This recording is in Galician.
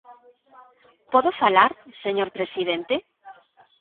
¿Podo falar, señor presidente?